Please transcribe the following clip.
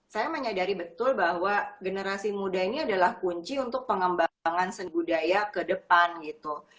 saya menyadari betul bahwa generasi muda ini adalah kunci untuk pengembangan seni budaya ke depan gitu